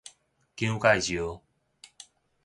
蔣介石